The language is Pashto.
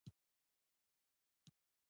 دا آسونه د چا وه او څه سوه.